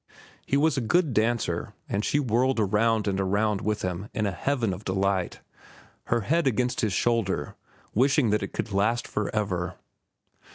He was a good dancer, and she whirled around and around with him in a heaven of delight, her head against his shoulder, wishing that it could last forever.